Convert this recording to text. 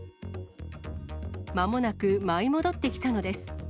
まもなく舞い戻ってきたのです。